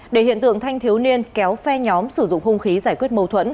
để hiện tượng thanh thiếu niên kéo phe nhóm sử dụng hung khí giải quyết mâu thuẫn